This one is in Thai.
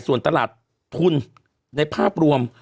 ส่วนตลาดทุนในภาพรวม